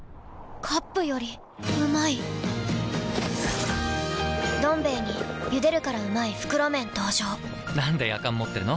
カップよりうまい「どん兵衛」に「ゆでるからうまい！袋麺」登場なんでやかん持ってるの？